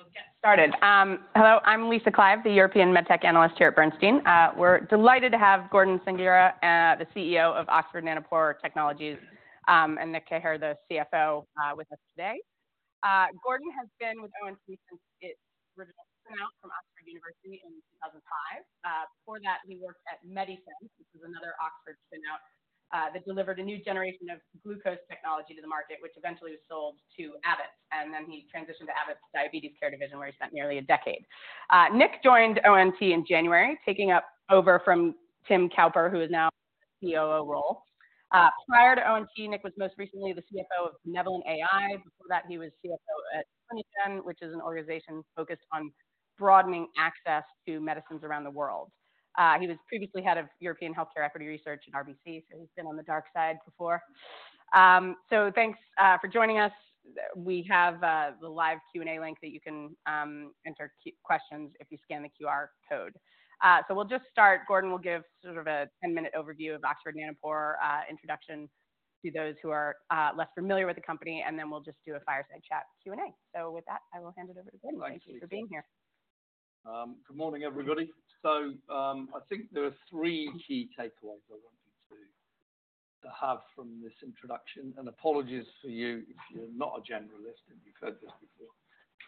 I will get started. Hello, I'm Lisa Clive, the European MedTech analyst here at Bernstein. We're delighted to have Gordon Sanghera, the CEO of Oxford Nanopore Technologies, and Nick Keher, the CFO, with us today. Gordon has been with ONT since it originally spun out from Oxford University in 2005. Before that, he worked at MediSense, which is another Oxford spin-out, that delivered a new generation of glucose technology to the market, which eventually was sold to Abbott, and then he transitioned to Abbott's Diabetes Care Division, where he spent nearly a decade. Nick joined ONT in January, taking over from Tim Cowper, who is now in the COO role. Prior to ONT, Nick was most recently the CFO of BenevolentAI. Before that, he was CFO at Clinigen, which is an organization focused on broadening access to medicines around the world. He was previously head of European Healthcare Equity Research in RBC, so he's been on the dark side before. So thanks for joining us. We have the live Q&A link that you can enter questions if you scan the QR code. So we'll just start. Gordon will give sort of a ten-minute overview of Oxford Nanopore, introduction to those who are less familiar with the company, and then we'll just do a fireside chat Q&A. So with that, I will hand it over to Gordon. Thank you for being here. Good morning, everybody. So, I think there are three key takeaways I want you to have from this introduction, and apologies for you if you're not a generalist, and you've heard this before.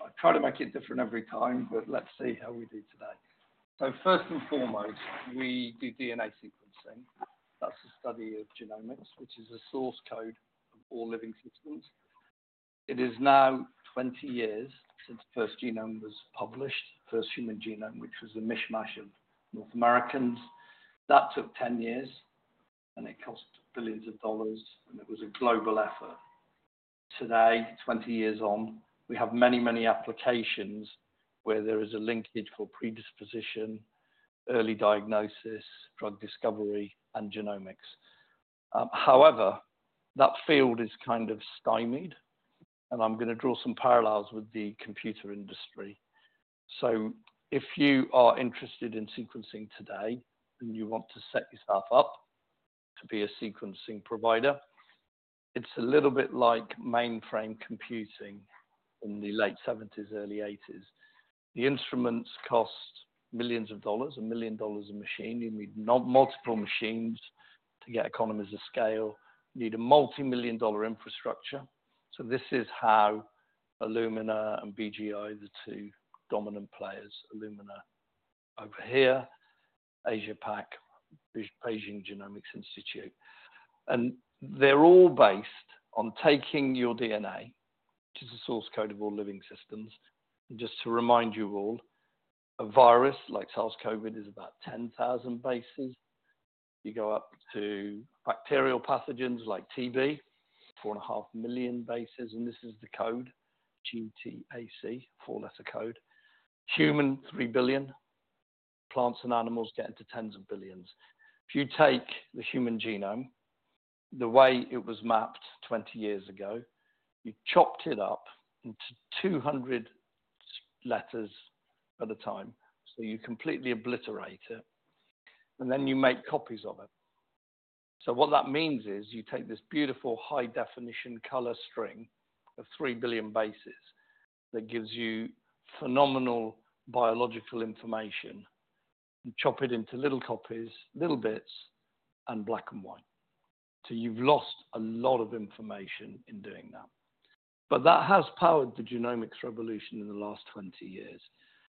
I try to make it different every time, but let's see how we do today. So first and foremost, we do DNA sequencing. That's the study of genomics, which is a source code of all living systems. It is now twenty years since the first genome was published, the first human genome, which was a mishmash of North Americans. That took ten years, and it cost billions of dollars, and it was a global effort. Today, twenty years on, we have many, many applications where there is a linkage for predisposition, early diagnosis, drug discovery, and genomics. However, that field is kind of stymied, and I'm going to draw some parallels with the computer industry. So if you are interested in sequencing today and you want to set yourself up to be a sequencing provider, it's a little bit like mainframe computing in the late seventies, early eighties. The instruments cost millions of dollars, $1 million a machine. You need multiple machines to get economies of scale. You need a multimillion-dollar infrastructure. So this is how Illumina and BGI, the two dominant players, Illumina over here, Asia Pac, Beijing Genomics Institute. And they're all based on taking your DNA, which is the source code of all living systems. Just to remind you all, a virus like SARS-CoV is about 10,000 bases. You go up to bacterial pathogens like TB, 4.5 million bases, and this is the code, GTAC, four-letter code. Human, three billion. Plants and animals get into tens of billions. If you take the human genome, the way it was mapped twenty years ago, you chopped it up into two hundred letters at a time, so you completely obliterate it, and then you make copies of it. So what that means is you take this beautiful high-definition color string of three billion bases that gives you phenomenal biological information and chop it into little copies, little bits, and black and white. So you've lost a lot of information in doing that. But that has powered the genomics revolution in the last twenty years.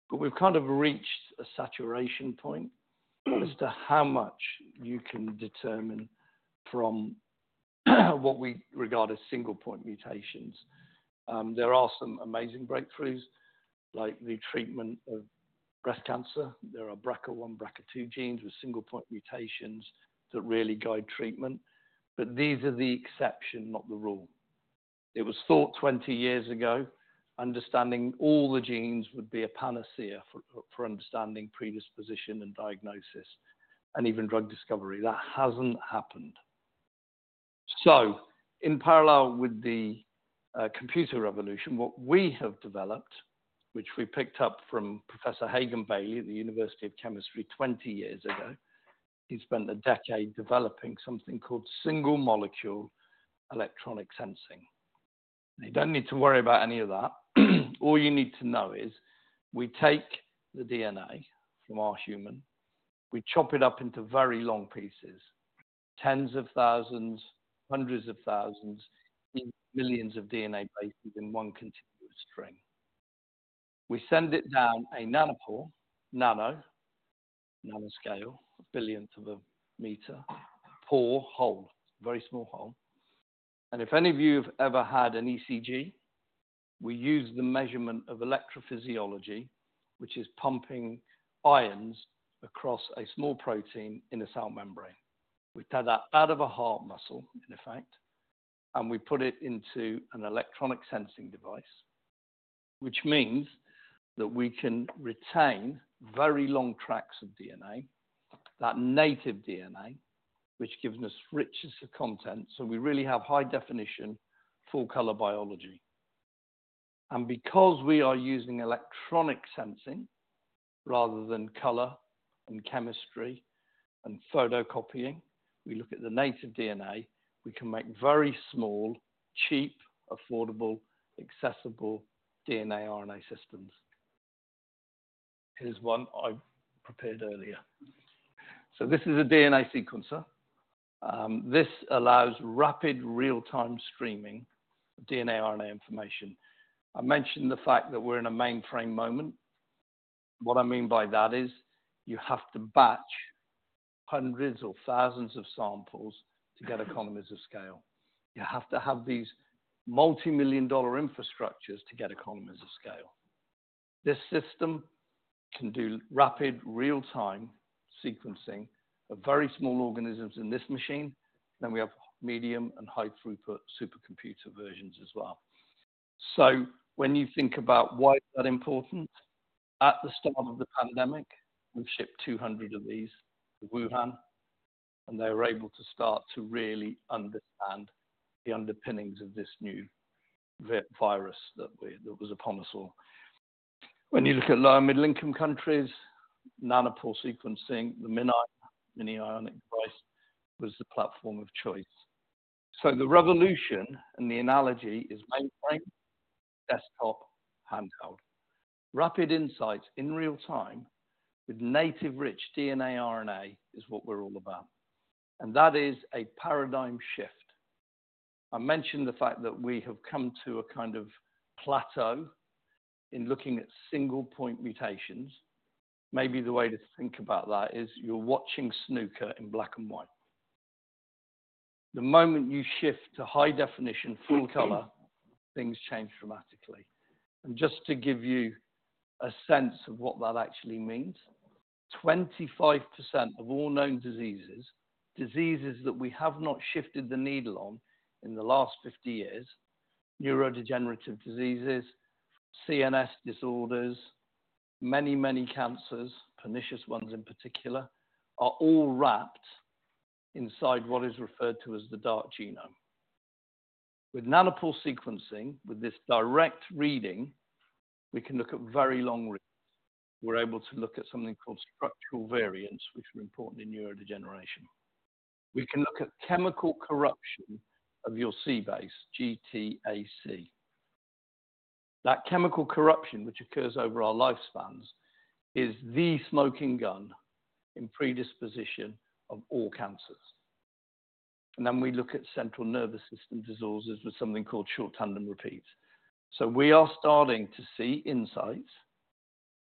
But we've kind of reached a saturation point as to how much you can determine from what we regard as single point mutations. There are some amazing breakthroughs, like the treatment of breast cancer. There are BRCA1, BRCA2 genes with single point mutations that really guide treatment, but these are the exception, not the rule. It was thought twenty years ago, understanding all the genes would be a panacea for, for understanding predisposition and diagnosis and even drug discovery. That hasn't happened. So in parallel with the computer revolution, what we have developed, which we picked up from Professor Hagan Bayley at the University of Oxford 20 years ago, he spent a decade developing something called single molecule electronic sensing. You don't need to worry about any of that. All you need to know is we take the DNA from our human, we chop it up into very long pieces, tens of thousands, hundreds of thousands, millions of DNA bases in one continuous string. We send it down a nanopore, nano, nanoscale, a billionth of a meter. Pore, hole, very small hole. If any of you have ever had an ECG, we use the measurement of electrophysiology, which is pumping ions across a small protein in a cell membrane. We take that out of a heart muscle, in effect, and we put it into an electronic sensing device, which means that we can retain very long tracks of DNA, that native DNA, which gives us richness of content, so we really have high-definition, full-color biology. Because we are using electronic sensing rather than color and chemistry and photocopying, we look at the native DNA, we can make very small, cheap, affordable, accessible DNA, RNA systems. Here's one I prepared earlier. This is a DNA sequencer. This allows rapid real-time streaming of DNA, RNA information. I mentioned the fact that we're in a mainframe moment. What I mean by that is you have to batch hundreds or thousands of samples to get economies of scale. You have to have these multimillion-dollar infrastructures to get economies of scale. This system can do rapid real-time sequencing of very small organisms in this machine, then we have medium and high throughput supercomputer versions as well. So when you think about why is that important, at the start of the pandemic, we've shipped 200 of these to Wuhan, and they were able to start to really understand the underpinnings of this new virus that was upon us all. When you look at low- and middle-income countries, nanopore sequencing, the MinION device, was the platform of choice. So the revolution and the analogy is mainframe, desktop, handheld. Rapid insights in real-time with native rich DNA, RNA is what we're all about, and that is a paradigm shift. I mentioned the fact that we have come to a kind of plateau in looking at single point mutations. Maybe the way to think about that is you're watching snooker in black and white. The moment you shift to high definition, full color, things change dramatically. And just to give you a sense of what that actually means, 25% of all known diseases, diseases that we have not shifted the needle on in the last 50 years, neurodegenerative diseases, CNS disorders, many, many cancers, pernicious ones in particular, are all wrapped inside what is referred to as the dark genome. With Nanopore sequencing, with this direct reading, we can look at very long reads. We're able to look at something called structural variants, which are important in neurodegeneration. We can look at chemical corruption of your C base, GTAC. That chemical corruption, which occurs over our lifespans, is the smoking gun in predisposition of all cancers. Then we look at central nervous system diseases with something called short tandem repeats. We are starting to see insights,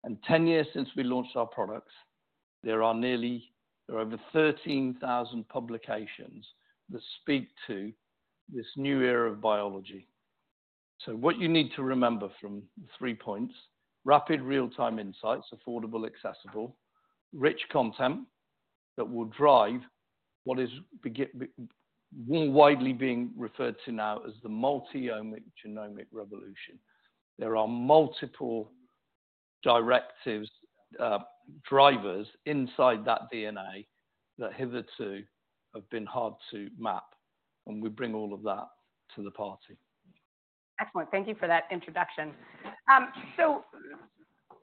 and ten years since we launched our products, there are over 13,000 publications that speak to this new era of biology. What you need to remember from the three points, rapid real-time insights, affordable, accessible, rich content that will drive what is being more widely referred to now as the multi-omic genomic revolution. There are multiple drivers inside that DNA that hitherto have been hard to map, and we bring all of that to the party. Excellent. Thank you for that introduction. So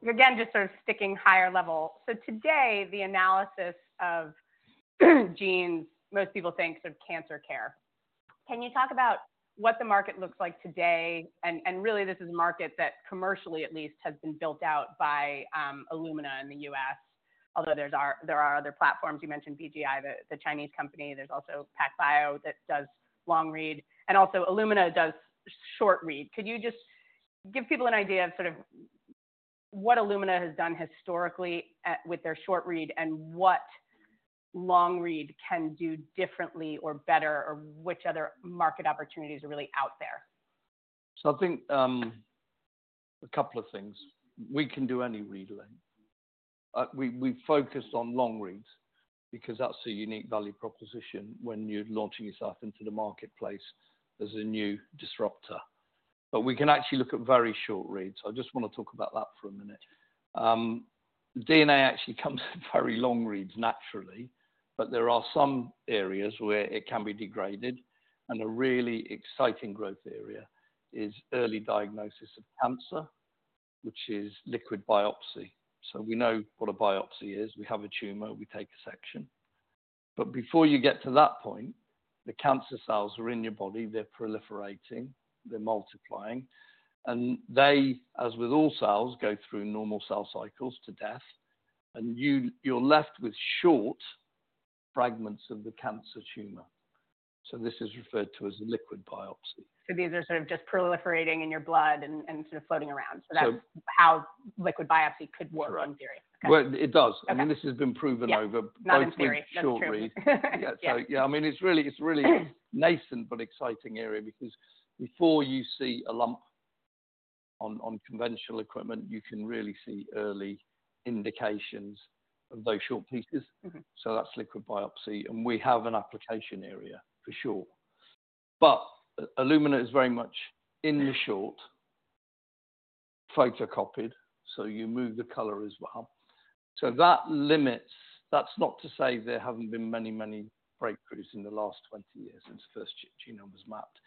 again, just sort of sticking higher level. So today, the analysis of genes, most people think of cancer care. Can you talk about what the market looks like today? And really, this is a market that commercially at least, has been built out by Illumina in the U.S. Although there are other platforms. You mentioned BGI, the Chinese company. There's also PacBio that does long-read, and also Illumina does short-read. Could you just give people an idea of sort of what Illumina has done historically with their short-read, and what long-read can do differently or better, or which other market opportunities are really out there? So I think, a couple of things. We can do any read length. We focus on long-reads because that's a unique value proposition when you're launching yourself into the marketplace as a new disruptor. But we can actually look at very short reads. I just want to talk about that for a minute. DNA actually comes in very long reads naturally, but there are some areas where it can be degraded, and a really exciting growth area is early diagnosis of cancer, which is liquid biopsy. So we know what a biopsy is. We have a tumor, we take a section. But before you get to that point, the cancer cells are in your body, they're proliferating, they're multiplying, and they, as with all cells, go through normal cell cycles to death, and you, you're left with short fragments of the cancer tumor. This is referred to as a liquid biopsy. So these are sort of just proliferating in your blood and sort of floating around. So- So that's how liquid biopsy could work. Correct. -in theory. Okay. It does. Okay. I mean, this has been proven over- Yeah, not in theory. Both short read. Yeah. So yeah, I mean, it's really nascent but exciting area because before you see a lump on conventional equipment, you can really see early indications of those short pieces. Mm-hmm. So that's liquid biopsy, and we have an application area for sure. But Illumina is very much in the short-read photocopy, so you remove the color as well. So that limits. That's not to say there haven't been many, many breakthroughs in the last 20 years since the first genome was mapped.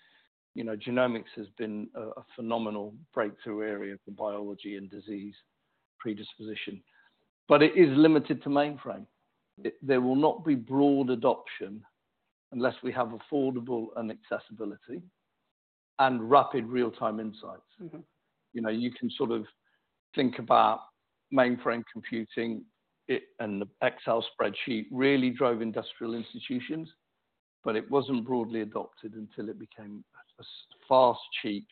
You know, genomics has been a phenomenal breakthrough area for biology and disease predisposition, but it is limited to mainframe. It. There will not be broad adoption unless we have affordable and accessibility, and rapid real-time insights. Mm-hmm. You know, you can sort of think about mainframe computing, it and the Excel spreadsheet really drove industrial institutions, but it wasn't broadly adopted until it became so fast, cheap,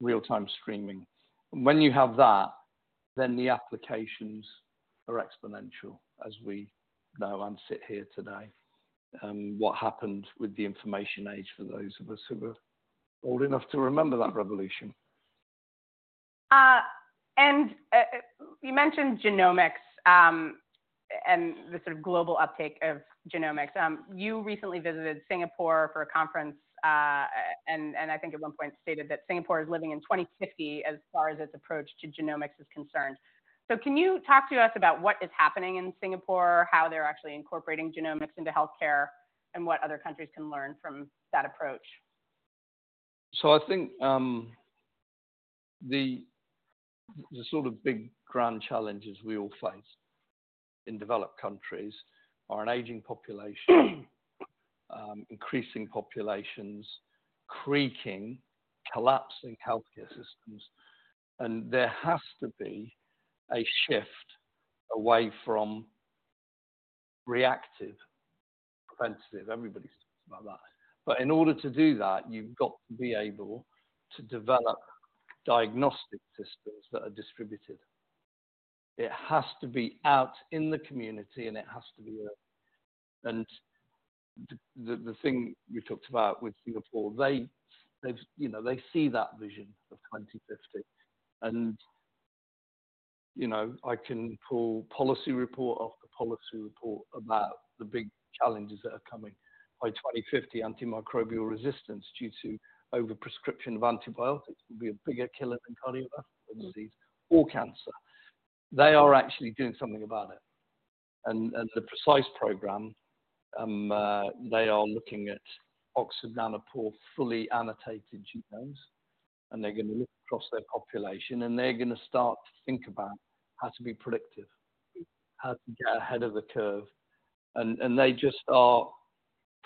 real-time streaming. When you have that, then the applications are exponential, as we know and sit here today, what happened with the information age for those of us who are old enough to remember that revolution. You mentioned genomics and the sort of global uptake of genomics. You recently visited Singapore for a conference, and I think at one point stated that Singapore is living in 2050 as far as its approach to genomics is concerned. Can you talk to us about what is happening in Singapore, how they're actually incorporating genomics into healthcare, and what other countries can learn from that approach? So I think the sort of big grand challenges we all face in developed countries are an aging population, increasing populations, creaking, collapsing healthcare systems, and there has to be a shift away from reactive, offensive. Everybody talks about that. But in order to do that, you've got to be able to develop diagnostic systems that are distributed. It has to be out in the community, and it has to be early. And the thing we talked about with Singapore, they've, you know, they see that vision of 2050. And, you know, I can pull policy report after policy report about the big challenges that are coming. By 2050, antimicrobial resistance due to over prescription of antibiotics will be a bigger killer than cardiovascular disease or cancer. They are actually doing something about it. The PRECISE program, they are looking at Oxford Nanopore's fully annotated genomes, and they're gonna look across their population, and they're gonna start to think about how to be predictive, how to get ahead of the curve, and they just are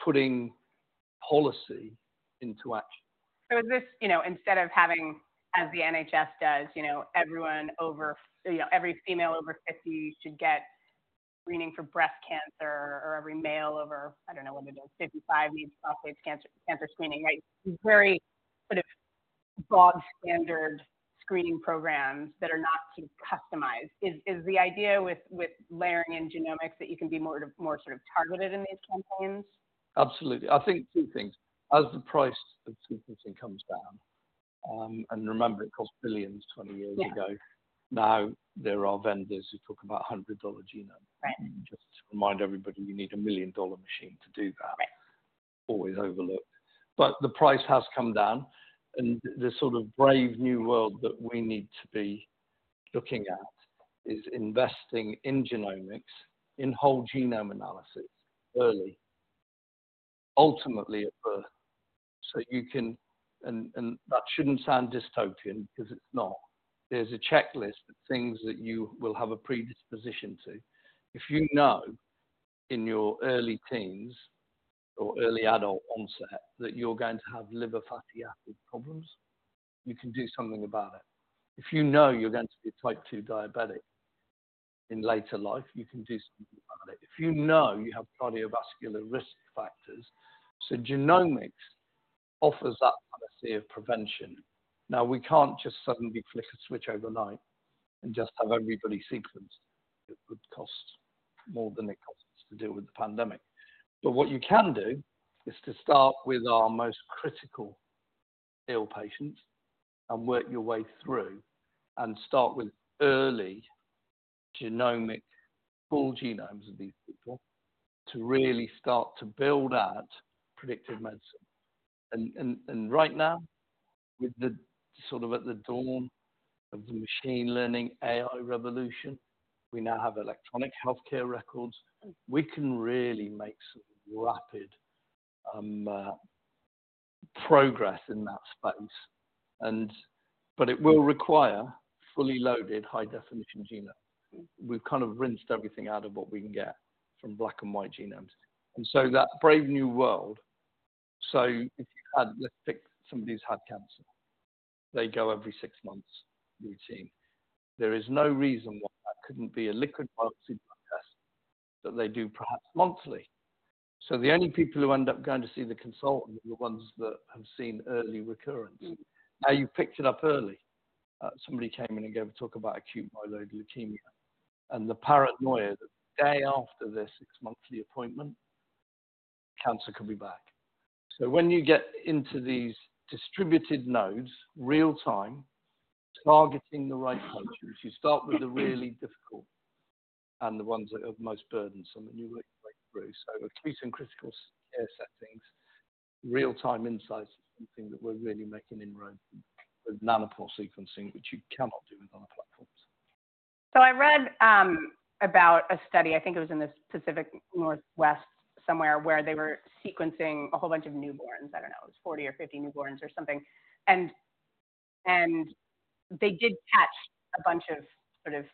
putting policy into action. So this, you know, instead of having, as the NHS does, you know, everyone over—you know, every female over fifty should get screening for breast cancer, or every male over, I don't know what it is, fifty-five needs prostate cancer, cancer screening, right? Very sort of broad standard screening programs that are not too customized. Is the idea with layering in genomics that you can be more sort of targeted in these campaigns? Absolutely. I think two things. As the price of sequencing comes down, and remember, it cost billions twenty years ago. Yeah. Now, there are vendors who talk about a $100 genome. Right. Just to remind everybody, we need a $1 million machine to do that. Right. Always overlooked. But the price has come down, and the sort of brave new world that we need to be looking at is investing in genomics, in whole genome analysis early, ultimately at birth. So you can... And, and that shouldn't sound dystopian, because it's not. There's a checklist of things that you will have a predisposition to. If you know in your early teens or early adult onset that you're going to have liver fatty acid problems, you can do something about it. If you know you're going to be type two diabetic in later life, you can do something about it. If you know you have cardiovascular risk factors, so genomics offers that policy of prevention. Now, we can't just suddenly flick a switch overnight and just have everybody sequenced. It would cost more than it costs us to deal with the pandemic. But what you can do is to start with our most critical ill patients and work your way through, and start with early genomic, full genomes of these people, to really start to build out predictive medicine. And right now, with the sort of at the dawn of the machine learning AI revolution, we now have electronic healthcare records. We can really make some rapid progress in that space and but it will require fully loaded high-definition genomes. We've kind of rinsed everything out of what we can get from black and white genomes. And so that brave new world, so if you had, let's pick somebody who's had cancer. They go every six months, routine. There is no reason why that couldn't be a liquid biopsy test that they do perhaps monthly. The only people who end up going to see the consultant are the ones that have seen early recurrence. Mm-hmm. Now, you've picked it up early. Somebody came in and gave a talk about acute myeloid leukemia and the paranoia the day after their six-monthly appointment, cancer could be back. So when you get into these distributed nodes, real-time, targeting the right countries, you start with the really difficult and the ones that are of most burdensome, and you work your way through. So acute and critical care settings, real-time insights is something that we're really making inroads with nanopore sequencing, which you cannot do with other platforms.... So I read about a study. I think it was in the Pacific Northwest, somewhere, where they were sequencing a whole bunch of newborns. I don't know, it was 40 or 50 newborns or something, and they did catch a bunch of sort of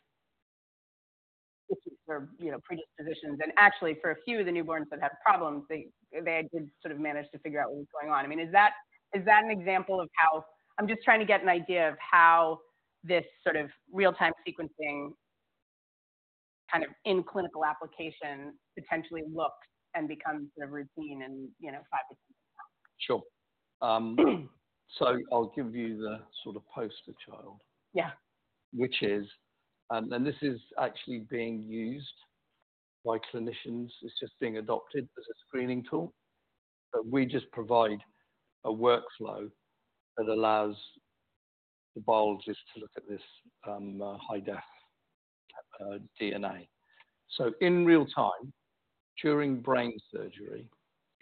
issues or, you know, predispositions, and actually, for a few of the newborns that had problems, they did sort of manage to figure out what was going on. I mean, is that an example of how I'm just trying to get an idea of how this sort of real-time sequencing, kind of in clinical application, potentially looks and becomes sort of routine in, you know, five to 10 years from now. Sure, so I'll give you the sort of poster child. Yeah. Which is, and this is actually being used by clinicians. It's just being adopted as a screening tool. But we just provide a workflow that allows the biologist to look at this, high-def DNA. So in real time, during brain surgery,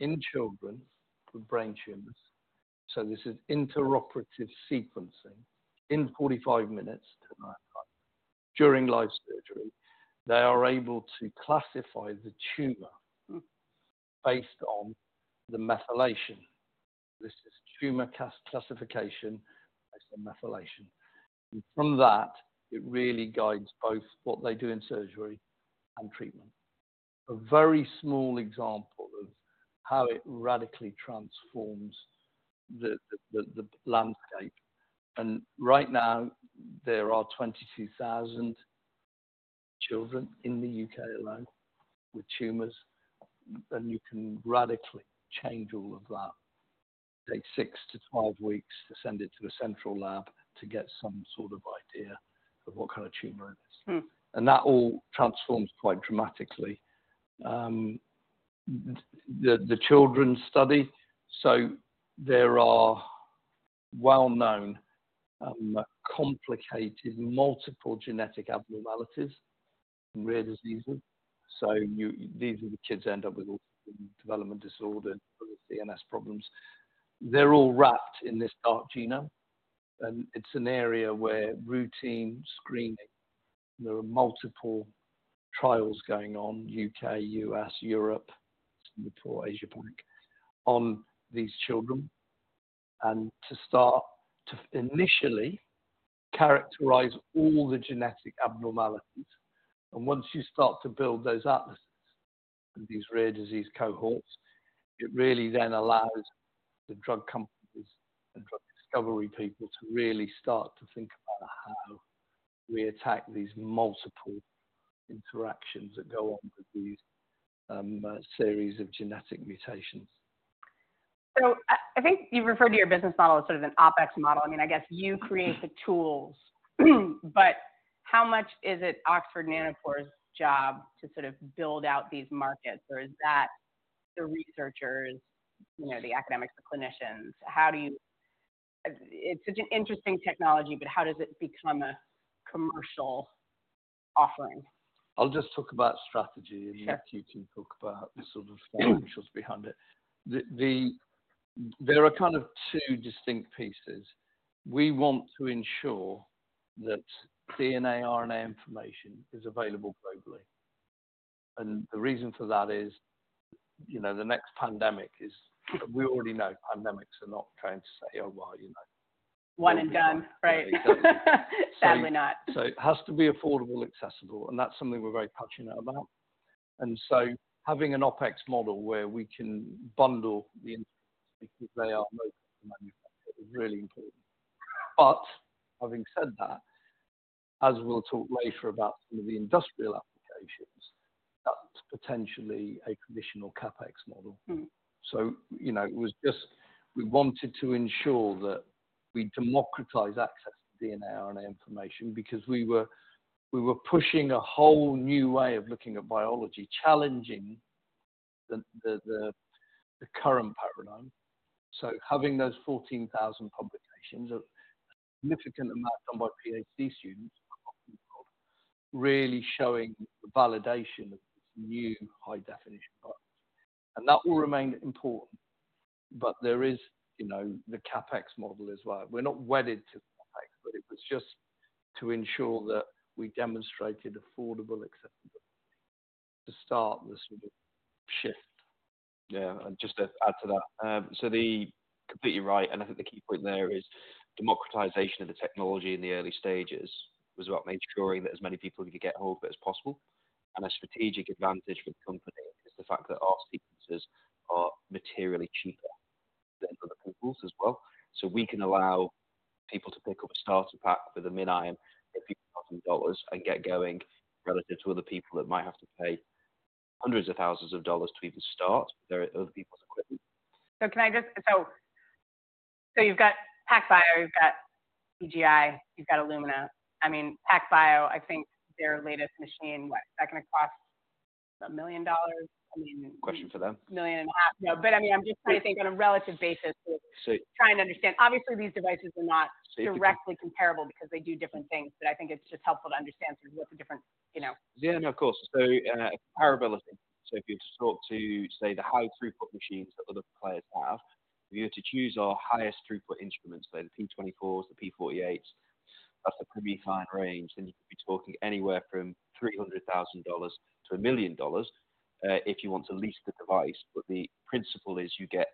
in children with brain tumors, so this is intraoperative sequencing, in 45 minutes, during live surgery, they are able to classify the tumor- Hmm. Based on the methylation. This is tumor classification based on methylation. And from that, it really guides both what they do in surgery and treatment. A very small example of how it radically transforms the landscape. And right now, there are 22,000 children in the UK alone with tumors, and you can radically change all of that. It takes 6-12 weeks to send it to a central lab to get some sort of idea of what kind of tumor it is. Hmm. And that all transforms quite dramatically. The children study, so there are well-known, complicated, multiple genetic abnormalities and rare diseases. So these are the kids that end up with all development disorders, CNS problems. They're all wrapped in this dark genome, and it's an area where routine screening, there are multiple trials going on, U.K., U.S., Europe, some for Asia Pacific, on these children, and to start to initially characterize all the genetic abnormalities. And once you start to build those atlases and these rare disease cohorts, it really then allows the drug companies and drug discovery people to really start to think about how we attack these multiple interactions that go on with these, series of genetic mutations. So, I, I think you referred to your business model as sort of an OpEx model. I mean, I guess you create the tools, but how much is it Oxford Nanopore's job to sort of build out these markets? Or is that the researchers, you know, the academics, the clinicians? How do you...? It's such an interesting technology, but how does it become a commercial offering? I'll just talk about strategy Yeah. and let you two talk about the sort of financials behind it. The, there are kind of two distinct pieces. We want to ensure that DNA, RNA information is available globally, and the reason for that is, you know, the next pandemic is. We already know pandemics are not trying to say, oh, well, you know One and done, right? Exactly. Sadly, not. So it has to be affordable, accessible, and that's something we're very passionate about. And so having an OpEx model where we can bundle the flow cells that are most manufactured is really important. But having said that, as we'll talk later about some of the industrial applications, that's potentially a traditional CapEx model. Hmm. You know, it was just, we wanted to ensure that we democratize access to DNA, RNA information because we were pushing a whole new way of looking at biology, challenging the current paradigm. Having those 14,000 publications, a significant amount done by PhD students, really showing the validation of this new high definition, and that will remain important, but there is, you know, the CapEx model as well. We're not wedded to CapEx, but it was just to ensure that we demonstrated affordable access to start this sort of shift. Yeah, and just to add to that. Completely right, and I think the key point there is democratization of the technology in the early stages was what made sure that as many people could get a hold of it as possible. And a strategic advantage for the company is the fact that our sequencers are materially cheaper than other people's as well. So we can allow people to pick up a starter pack for the MinION, a few thousand dollars, and get going, relative to other people that might have to pay hundreds of thousands of dollars to even start other people's equipment. You've got PacBio, you've got BGI, you've got Illumina. I mean, PacBio, I think their latest machine, what, is that gonna cost? $1 million, I mean- Question for them. 1.5 million. No, but I mean, I'm just trying to think on a relative basis- Sure. Trying to understand. Obviously, these devices are not directly comparable because they do different things, but I think it's just helpful to understand sort of what the different, you know- Yeah, of course. So, comparability? So if you talk to, say, the high throughput machines that other players have, if you were to choose our highest throughput instruments, then P24s, the P48s, that's a pretty fine range, then you could be talking anywhere from $300,000-$1 million, if you want to lease the device. But the principle is you get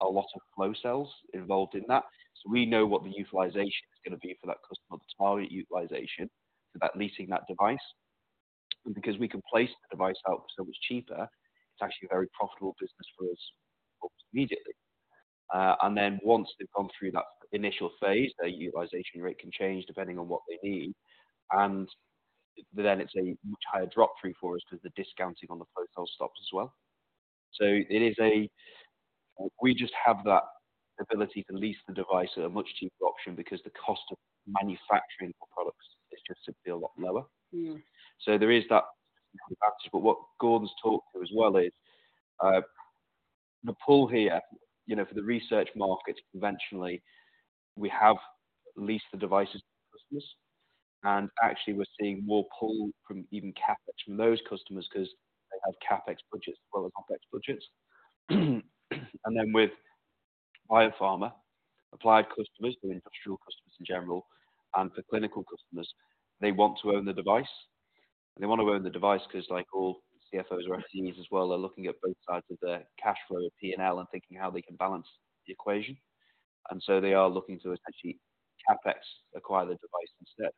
a lot of flow cells involved in that. So we know what the utilization is gonna be for that customer, the target utilization for that leasing that device. Because we can place the device out so much cheaper, it's actually a very profitable business for us immediately. And then once they've gone through that initial phase, their utilization rate can change depending on what they need, and then it's a much higher drop through for us 'cause the discounting on the flow cell stops as well. We just have that ability to lease the device at a much cheaper option because the cost of manufacturing products is just simply a lot lower. Mm. So there is that, but what Gordon's talked to as well is, the pull here, you know, for the research market, conventionally, we have leased the devices to customers, and actually we're seeing more pull from even CapEx from those customers 'cause they have CapEx budgets as well as OpEx budgets. And then with biopharma, applied customers, the industrial customers in general and for clinical customers, they want to own the device. They wanna own the device 'cause like all CFOs or CTOs as well, are looking at both sides of their cash flow, P&L and thinking how they can balance the equation. And so they are looking to essentially CapEx, acquire the device instead,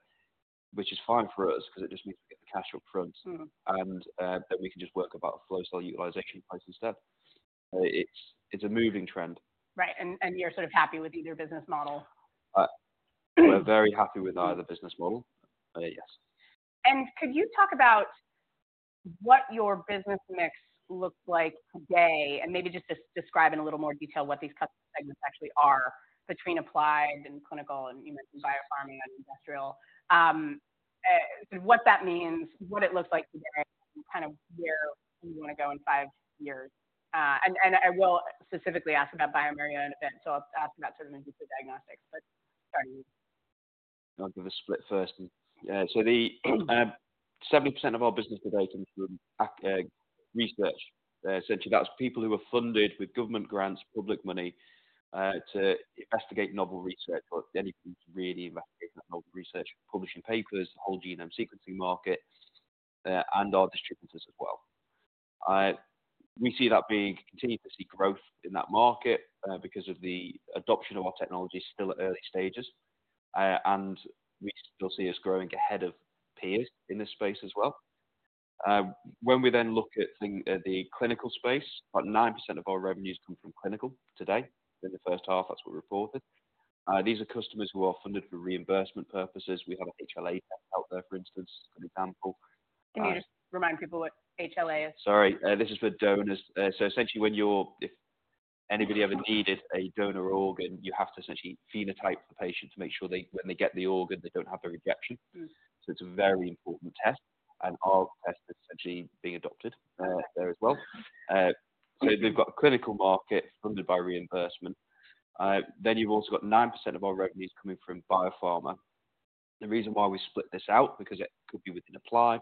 which is fine for us because it just means we get the cash up front- Mm. Then we can just talk about flow cell utilization and price instead. It's a moving trend. Right. And, you're sort of happy with either business model? We're very happy with either business model. Yes. And could you talk about what your business mix looks like today, and maybe just describe in a little more detail what these customer segments actually are between applied and clinical, and you mentioned biopharma and industrial. What that means, what it looks like today, and kind of where you wanna go in five years? And I will specifically ask about bioMérieux in a bit, so I'll ask about sort of in vitro diagnostics, but sorry. I'll give a split first. So the 70% of our business today comes from research. Essentially, that's people who are funded with government grants, public money, to investigate novel research or anything to really investigate that novel research, publishing papers, the whole genome sequencing market, and our distributors as well. We continue to see growth in that market, because of the adoption of our technology is still at early stages, and we still see us growing ahead of peers in this space as well. When we then look at the clinical space, about 9% of our revenues come from clinical today. In the first half, that's what we reported. These are customers who are funded for reimbursement purposes. We have an HLA test out there, for instance, an example. Can you just remind people what HLA is? Sorry. This is for donors, so essentially, if anybody ever needed a donor organ, you have to essentially phenotype the patient to make sure they, when they get the organ, they don't have a rejection. Mm. It's a very important test, and our test is actually being adopted there as well. We've got a clinical market funded by reimbursement. You've also got 9% of our revenues coming from biopharma. The reason why we split this out, because it could be within applied,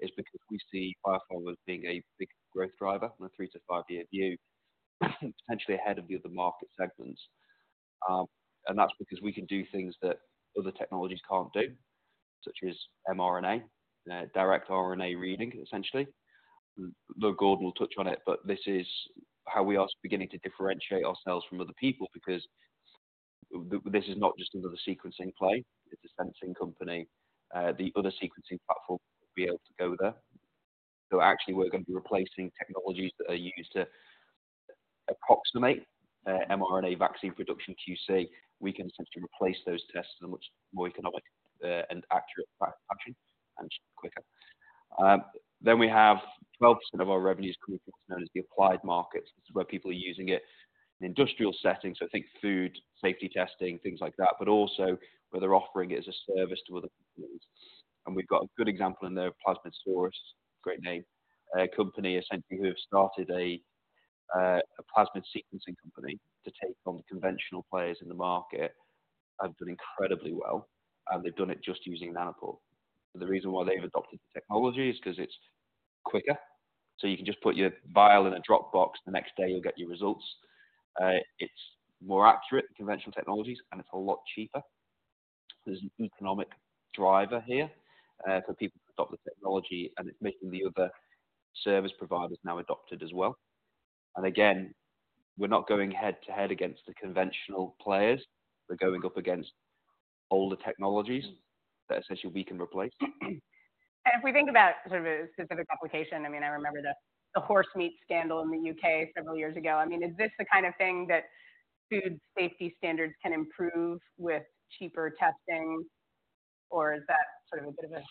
is because we see biopharma as being a big growth driver on a three- to five-year view, potentially ahead of the other market segments. That's because we can do things that other technologies can't do, such as mRNA, direct RNA reading, essentially. Though Gordon will touch on it, but this is how we are beginning to differentiate ourselves from other people, because this is not just another sequencing play, it's a sensing company. The other sequencing platform will be able to go there. So actually, we're going to be replacing technologies that are used to approximate, mRNA vaccine production QC. We can essentially replace those tests in a much more economic, and accurate fashion, and quicker. Then we have 12% of our revenues coming from what's known as the applied markets. This is where people are using it in industrial settings, so think food, safety testing, things like that, but also where they're offering it as a service to other companies. And we've got a good example in there, Plasmidsaurus, great name. A company essentially, who have started a, a plasmid sequencing company to take on the conventional players in the market, and have done incredibly well, and they've done it just using Nanopore. The reason why they've adopted the technology is 'cause it's quicker, so you can just put your vial in a Dropbox, the next day you'll get your results. It's more accurate than conventional technologies, and it's a lot cheaper. There's an economic driver here, for people to adopt the technology, and it's making the other service providers now adopt it as well, and again, we're not going head to head against the conventional players. We're going up against older technologies. Mm. That essentially we can replace. If we think about sort of a specific application, I mean, I remember the horse meat scandal in the U.K. several years ago. I mean, is this the kind of thing that food safety standards can improve with cheaper testing, or is that sort of a bit of a.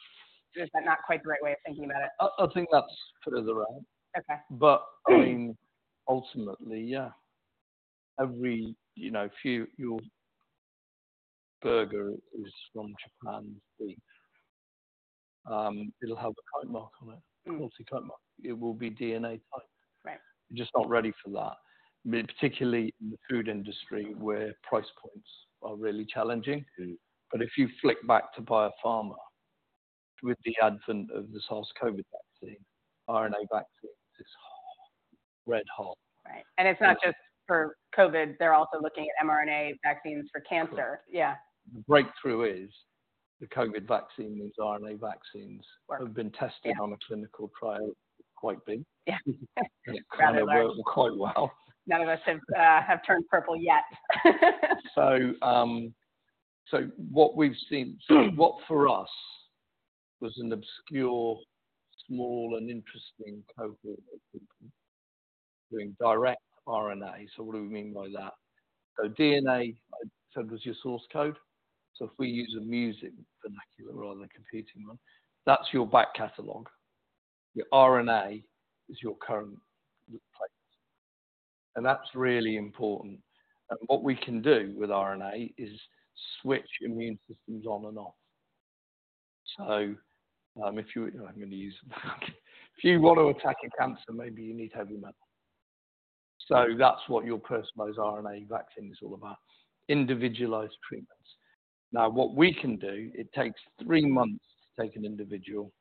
Is that not quite the right way of thinking about it? I think that's further out. Okay. But I mean, ultimately, yeah, every, you know, your burger is from Japan, the, it'll have a code mark on it. Obviously, code mark. It will be DNA type. Right. We're just not ready for that... particularly in the food industry, where price points are really challenging. Mm-hmm. But if you flick back to BioPharma, with the advent of the SARS COVID vaccine, RNA vaccine, it's hot, red hot. Right. And it's not just for COVID, they're also looking at mRNA vaccines for cancer. Correct.Yeah.The breakthrough is the COVID vaccine, these RNA vaccines- Right. have been tested. Yeah On a clinical trial, quite big. Yeah. It kind of worked quite well. None of us have turned purple yet. What we've seen for us was an obscure, small, and interesting cohort of people doing direct RNA. What do we mean by that? DNA, I said, was your source code. If we use a music vernacular rather than a computing one, that's your back catalog. Your RNA is your current playlist, and that's really important. What we can do with RNA is switch immune systems on and off. If you want to attack a cancer, maybe you need heavy metal. That's what your personalized RNA vaccine is all about, individualized treatments. Now, what we can do, it takes three months to take an individual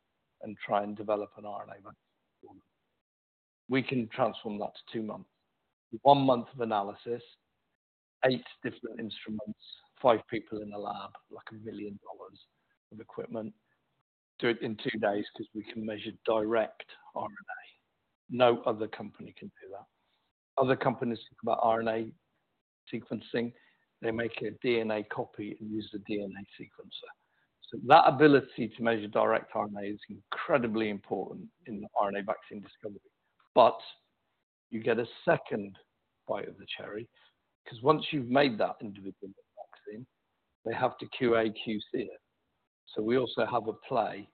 and try and develop an RNA vaccine. We can transform that to two months. One month of analysis, eight different instruments, five people in a lab, like $1 million of equipment. Do it in two days because we can measure direct RNA. No other company can do that. Other companies think about RNA sequencing, they make a DNA copy and use a DNA sequencer, so that ability to measure direct RNA is incredibly important in RNA vaccine discovery, but you get a second bite of the cherry, 'cause once you've made that individual vaccine, they have to QA/QC it, so we also have a play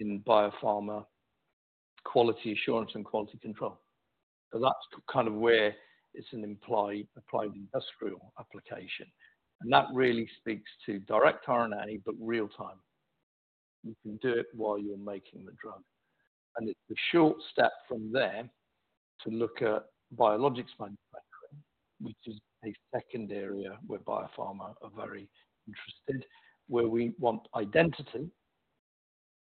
in biopharma, quality assurance, and quality control, so that's kind of where it's an implied applied industrial application, and that really speaks to direct RNA, but real-time. You can do it while you're making the drug. And it's a short step from there to look at biologics manufacturing, which is a second area where biopharma are very interested, where we want identity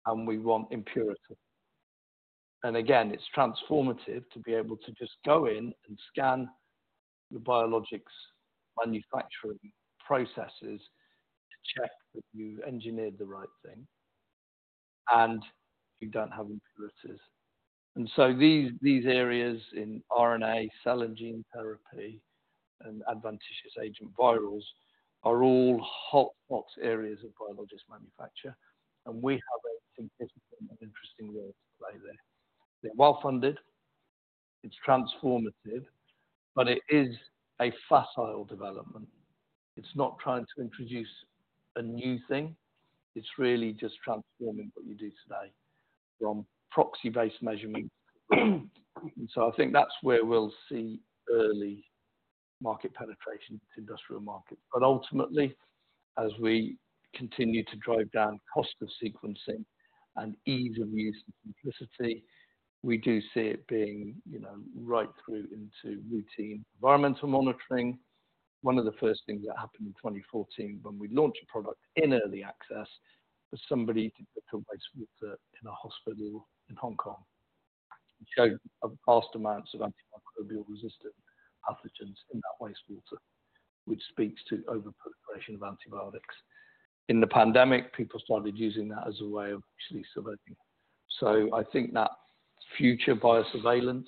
and we want impurity. And again, it's transformative to be able to just go in and scan the biologics manufacturing processes to check that you engineered the right thing, and you don't have impurities. And so these, these areas in RNA, cell and gene therapy, and adeno-associated virals are all hot-button areas of biologics manufacture, and we have a significant and interesting role to play there. They're well-funded, it's transformative, but it is a facile development. It's not trying to introduce a new thing, it's really just transforming what you do today from proxy-based measurement. So I think that's where we'll see early market penetration to industrial market. Ultimately, as we continue to drive down cost of sequencing and ease of use and simplicity, we do see it being, you know, right through into routine environmental monitoring. One of the first things that happened in 2014 when we launched a product in early access was somebody did the wastewater in a hospital in Hong Kong. It showed vast amounts of antimicrobial-resistant pathogens in that wastewater, which speaks to overuse of antibiotics. In the pandemic, people started using that as a way of actually surveying. So I think that's future biosurveillance.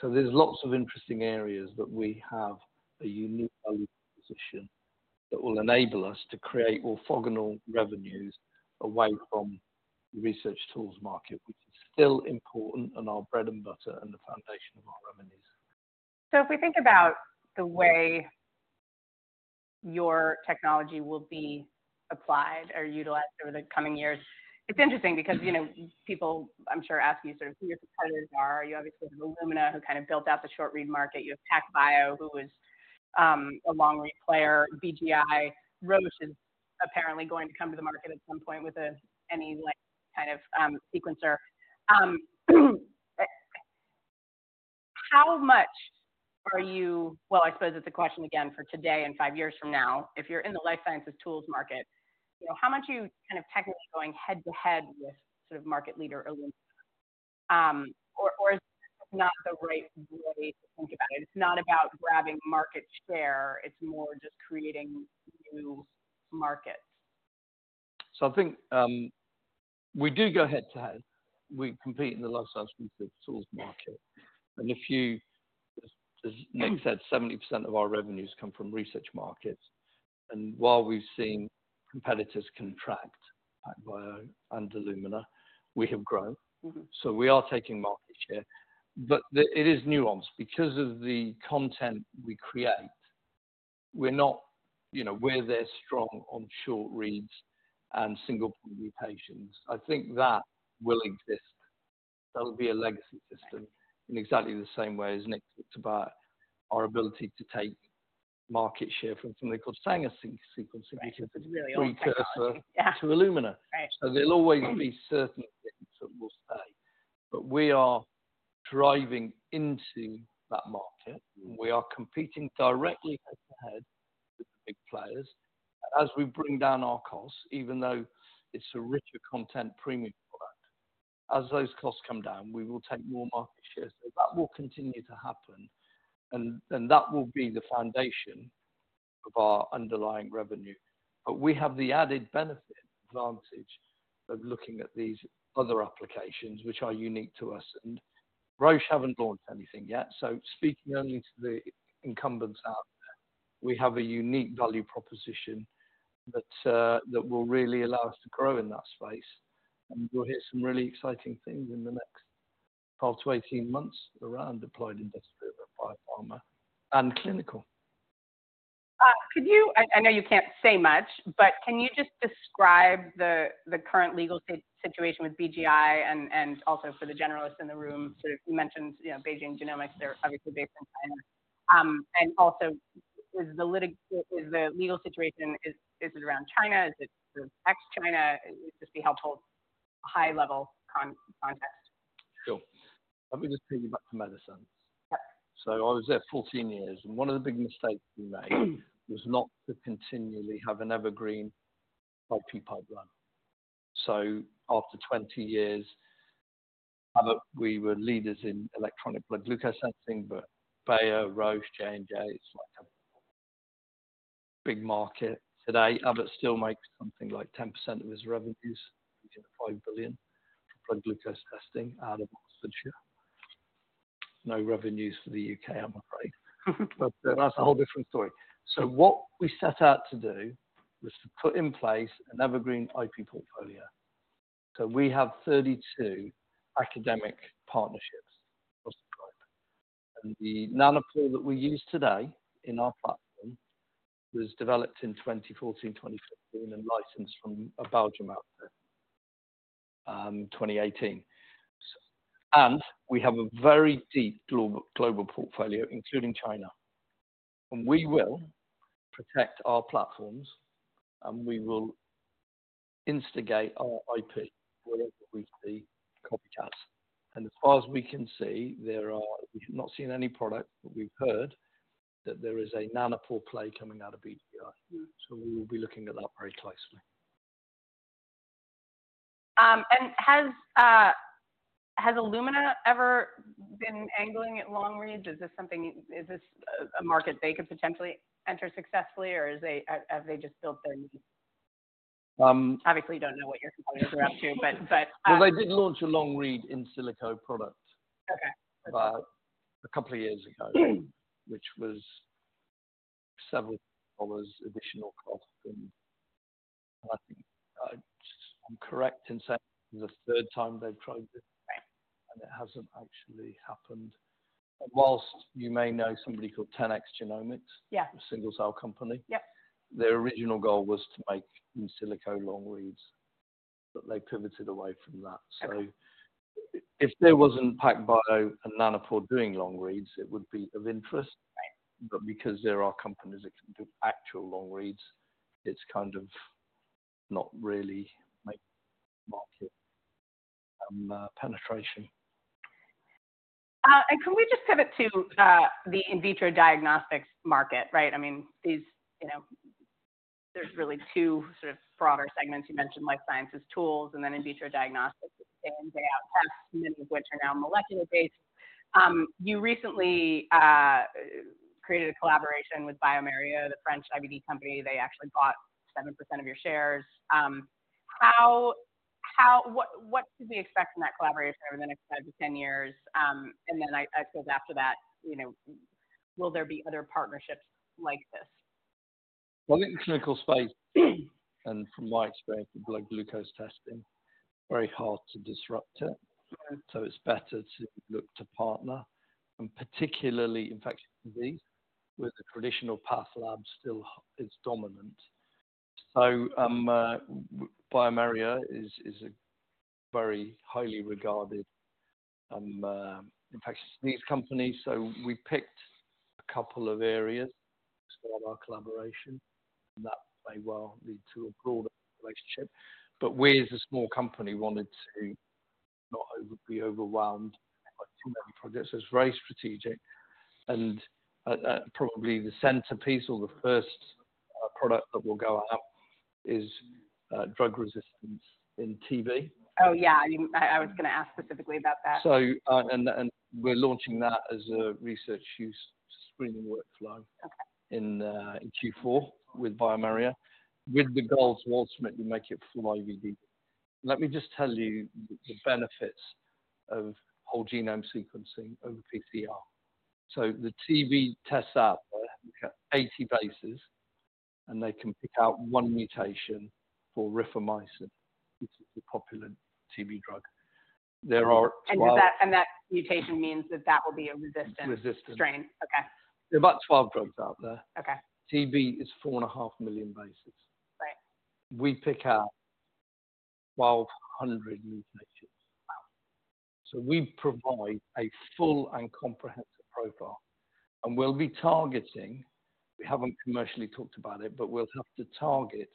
So there's lots of interesting areas that we have a unique position that will enable us to create orthogonal revenues away from the research tools market, which is still important and our bread and butter and the foundation of our revenues. So if we think about the way your technology will be applied or utilized over the coming years, it's interesting because, you know, people, I'm sure, ask you sort of who your competitors are. You obviously have Illumina, who kind of built out the short-read market. You have PacBio, who is a long-read player, BGI. Roche is apparently going to come to the market at some point with any like, kind of, sequencer. How much are you... Well, I suppose it's a question again for today and five years from now, if you're in the life sciences tools market, you know, how much are you kind of technically going head-to-head with sort of market leader Illumina? Or, is this not the right way to think about it? It's not about grabbing market share, it's more just creating new markets. I think we do go head-to-head. We compete in the life sciences tools market, and as Nick said, 70% of our revenues come from research markets, and while we've seen competitors contract, PacBio and Illumina, we have grown. Mm-hmm. So we are taking market share, but it is nuanced. Because of the content we create, we're not, you know, they're strong on short reads and single point mutations. I think that will exist. That will be a legacy system in exactly the same way as Nick talked about our ability to take market share from something called Sanger sequencing. Right... which is a precursor- Yeah -to Illumina. Right. So there'll always be certain bits but we are driving into that market. We are competing directly head-to-head with the big players. As we bring down our costs, even though it's a richer content premium product, as those costs come down, we will take more market shares. So that will continue to happen, and that will be the foundation of our underlying revenue. But we have the added benefit advantage of looking at these other applications, which are unique to us, and Roche haven't launched anything yet. So speaking only to the incumbents out there, we have a unique value proposition that that will really allow us to grow in that space. And you'll hear some really exciting things in the next twelve to eighteen months around deployed industrial, biopharma, and clinical. Could you—I know you can't say much, but can you just describe the current legal situation with BGI and also for the generalists in the room, sort of you mentioned, you know, Beijing Genomics, they're obviously based in China. And also, is the legal situation, is it around China? Is it ex-China? It'd just be helpful, a high-level context. Sure. Let me just take you back to medicines. Yep. So I was there 14 years, and one of the big mistakes we made was not to continually have an evergreen IP pipeline. After 20 years, after we were leaders in electronic blood glucose sensing, but Bayer, Roche, J&J, it's like a big market. Today, Abbott still makes something like 10% of its revenues, which is $5 billion, from blood glucose testing out of Oxfordshire. No revenues for the UK, I'm afraid. But that's a whole different story. What we set out to do was to put in place an evergreen IP portfolio. We have 32 academic partnerships across the globe. And the nanopore that we use today in our platform was developed in twenty fourteen, twenty fifteen, and licensed from a Belgian outfit in twenty eighteen. And we have a very deep global portfolio, including China. We will protect our platforms, and we will instigate our IP wherever we see copycats. As far as we can see, there are... We have not seen any product, but we've heard that there is a nanopore play coming out of BGI. We will be looking at that very closely. Has Illumina ever been angling at long read? Is this a market they could potentially enter successfully, or have they just built their niche? Um- Obviously, you don't know what your competitors are up to, but- They did launch a long read in silico product- Okay. About a couple of years ago, which was several dollars additional cost. And I think, I'm correct in saying the third time they've tried it, and it hasn't actually happened. While you may know somebody called 10x Genomics- Yeah. a single-cell company. Yep. Their original goal was to make in silicon long reads, but they pivoted away from that So if there wasn't PacBio and Nanopore doing long reads, it would be of interest. Right. But because there are companies that can do actual long reads, it's kind of not really make market penetration. And can we just pivot to the in vitro diagnostics market, right? I mean, these, you know, there's really two sort of broader segments. You mentioned life sciences tools and then in vitro diagnostics, A and B tests, many of which are now molecular-based. You recently created a collaboration with bioMérieux, the French IVD company. They actually bought 7% of your shares. What should we expect from that collaboration over the next five to 10 years? And then I suppose after that, you know, will there be other partnerships like this? In the clinical space, and from my experience with blood glucose testing, very hard to disrupt it. Right.So it's better to look to partner, and particularly infectious disease, where the traditional path lab still is dominant. bioMérieux is a very highly regarded infectious disease company. So we picked a couple of areas to start our collaboration, and that may well lead to a broader relationship. But we, as a small company, wanted to not be overwhelmed by too many projects. So it's very strategic, and probably the centerpiece or the first product that will go out is drug resistance in TB. Oh, yeah. I was gonna ask specifically about that. So, and we're launching that as a research use screening workflow- Okay... in Q4 with bioMérieux, with the goals to ultimately make it full IVD. Let me just tell you the benefits of whole genome sequencing over PCR. So the TB tests out 80 bases, and they can pick out one mutation for Rifamycin, which is a popular TB drug. There are twelve- And that mutation means that that will be a resistant- Resistant. Strain. Okay. There are about 12 drugs out there. Okay. TB is 4.5 mmillion bases. Right. We pick out 1,200 mutations. Wow! So we provide a full and comprehensive profile, and we'll be targeting... We haven't commercially talked about it, but we'll have to target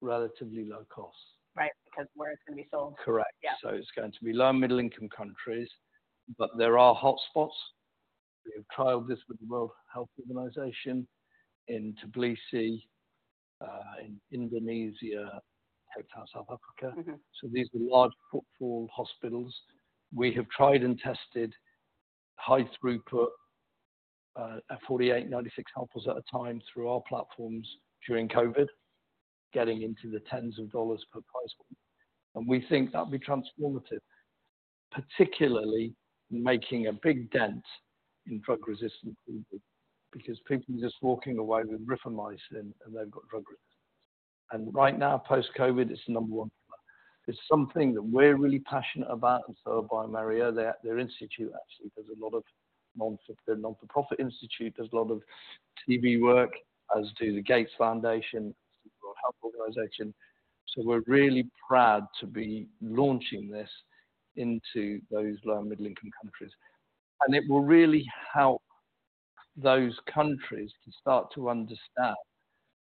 relatively low costs. Right, because where it's going to be sold? Correct. Yeah. So it's going to be low and middle-income countries, but there are hotspots. We have trialed this with the World Health Organization in Tbilisi, in Indonesia, Cape Town, South Africa. Mm-hmm. These are large footfall hospitals. We have tried and tested high throughput at 48, 96 samples at a time through our platforms during COVID, getting into the tens of dollars per price point. We think that'll be transformative, particularly making a big dent in drug-resistant TB, because people are just walking away with Rifamycin, and they've got drug resistance. Right now, post-COVID, it's the number one. It's something that we're really passionate about, and bioMérieux, their institute, actually, there's a lot of non-profit institute, does a lot of TB work, as do the Gates Foundation, World Health Organization. We're really proud to be launching this into those low and middle-income countries. It will really help those countries to start to understand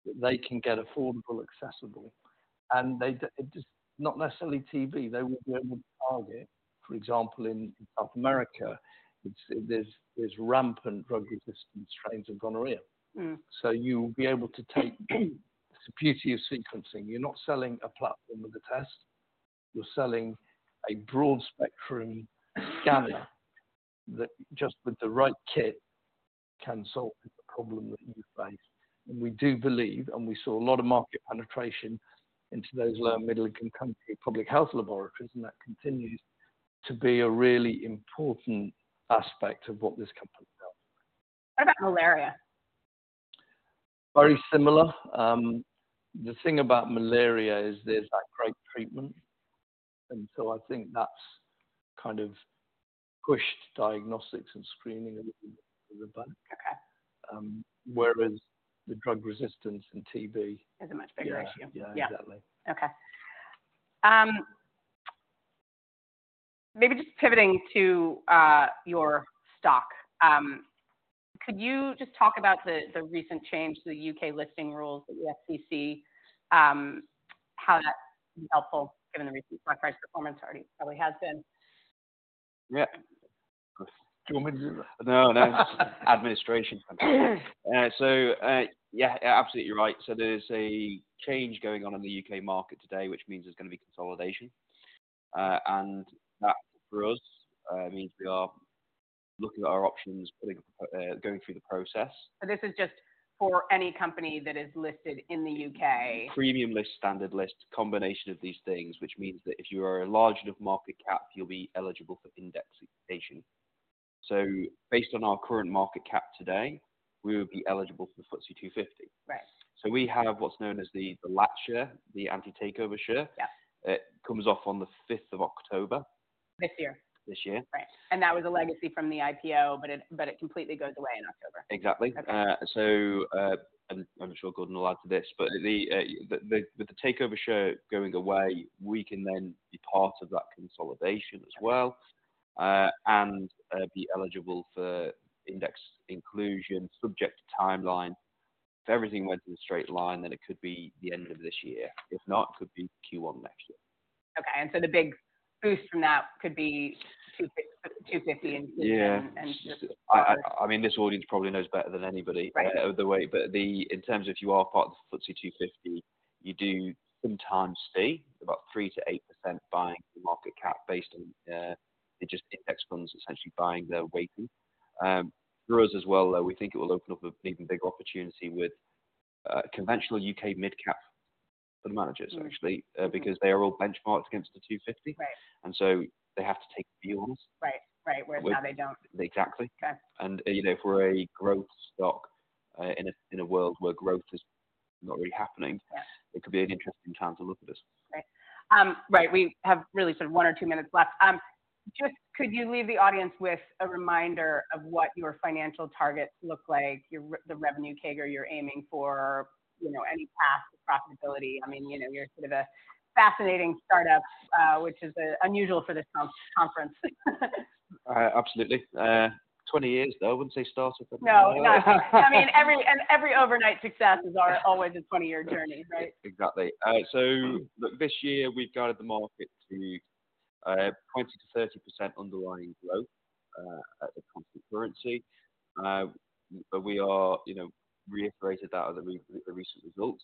that they can get affordable, accessible, and just not necessarily TB. They will be able to target, for example, in South America, there's rampant drug-resistant strains of gonorrhea. Mm. So you'll be able to take. It's the beauty of sequencing. You're not selling a platform with a test. You're selling a broad spectrum scanner that just with the right kit can solve the problem that you face. And we do believe, and we saw a lot of market penetration into those low middle-income country public health laboratories, and that continues to be a really important aspect of what this company does. What about malaria? Very similar. The thing about malaria is there's that great treatment, and so I think that's kind of pushed diagnostics and screening a little bit in the back. Okay. Whereas the drug resistance in TB- Is a much bigger issue. Yeah. Yeah, exactly. Okay. Maybe just pivoting to your stock. Could you just talk about the recent change to the U.K. listing rules, the FTSE, how that's helpful, given the recent price performance already probably has been? Yeah. Do you want me to do that? No, no. Administration. So, yeah, absolutely right. So there's a change going on in the UK market today, which means there's gonna be consolidation. And that for us means we are looking at our options, putting, going through the process. So this is just for any company that is listed in the U.K.? Premium list, standard list, combination of these things, which means that if you are a large enough market cap, you'll be eligible for indexation. So based on our current market cap today, we would be eligible for the FTSE 250. Right. We have what's known as the latch share, the anti-takeover share. Yeah. It comes off on the fifth of October. This year? This year. Right, and that was a legacy from the IPO, but it completely goes away in October. Exactly. Okay. I'm sure Gordon will add to this, but the latch share going away, we can then be part of that consolidation as well, and be eligible for index inclusion, subject to timeline. If everything went in a straight line, then it could be the end of this year. If not, it could be Q1 next year. Okay. And so the big boost from that could be 250, 250 and- Yeah. And just- I mean, this audience probably knows better than anybody. Right. In terms of if you are part of the FTSE 250, you do sometimes see about 3%-8% buying the market cap based on it just index funds, essentially buying their weighting. For us as well, we think it will open up an even bigger opportunity with conventional UK mid-cap for the managers, actually, because they are all benchmarked against the 250. Right. They have to take views. Right. Right. Whereas now they don't. Exactly. Okay. You know, for a growth stock in a world where growth is not really happening- Yeah It could be an interesting time to look at this. Right. Right, we have really sort of one or two minutes left. Just could you leave the audience with a reminder of what your financial targets look like, your revenue CAGR you're aiming for, you know, any path to profitability? I mean, you know, you're sort of a fascinating startup, which is unusual for this conference. Absolutely. Twenty years, though, wouldn't say startup. I mean, every overnight success is always a twenty-year journey, right? Exactly. So this year, we've guided the market to 20%-30% underlying growth at the constant currency. But we are, you know, reiterated that at the recent results.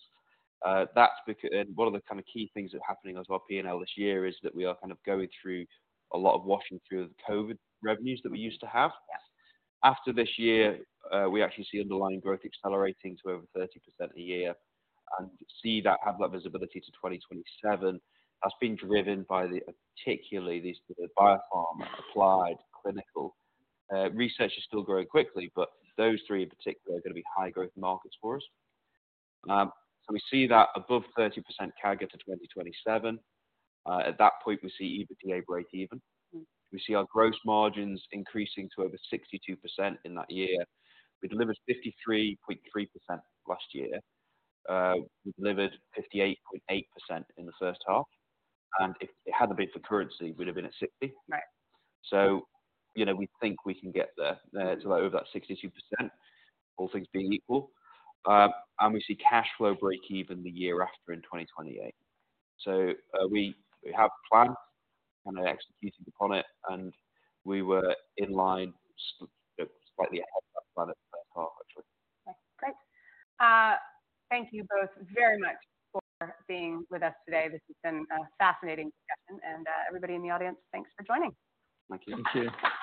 That's because and one of the kind of key things that's happening as well, P&L this year, is that we are kind of going through a lot of washing through the COVID revenues that we used to have. Yeah. After this year, we actually see underlying growth accelerating to over 30% a year and see that have that visibility to 2027. That's been driven by the, particularly these, the biopharma applied clinical. Research is still growing quickly, but those three in particular are going to be high growth markets for us, so we see that above 30% target to 2027. At that point, we see EBITDA break even. Mm. We see our gross margins increasing to over 62% in that year. We delivered 53.3% last year. We delivered 58.8% in the first half, and if it hadn't been for currency, we'd have been at 60%. Right. You know, we think we can get there to over that 62%, all things being equal. And we see cash flow break even the year after in 2028. So, we have plans and are executing upon it, and we were in line slightly ahead of plan at the first half, actually. Okay, great. Thank you both very much for being with us today. This has been a fascinating discussion, and, everybody in the audience, thanks for joining. Thank you. Thank you.